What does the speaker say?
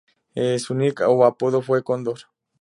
Su nick o apodo fue Cóndor.